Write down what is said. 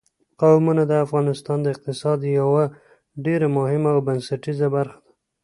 قومونه د افغانستان د اقتصاد یوه ډېره مهمه او بنسټیزه برخه ده.